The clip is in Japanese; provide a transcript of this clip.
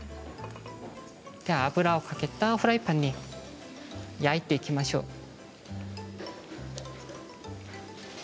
油を引いたフライパンで焼いていきましょう。